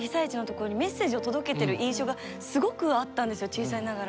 小さいながら。